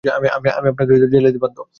আমি আপনাকে জেলে দিতে বাধ্য।